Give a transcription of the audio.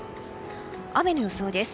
雨の予想です。